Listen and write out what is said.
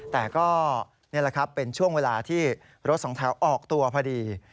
แต่ก็เป็นช่วงเวลาที่รถสองแถวออกตัวพอดี